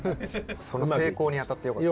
その成功に当たってよかった。